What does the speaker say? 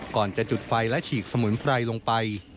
ก่อนจะจุดไฟและฉีกสมุนไพรลงไป